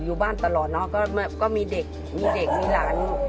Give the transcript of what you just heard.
อยู่บ้านตลอดนะก็มีเด็กมีหลาน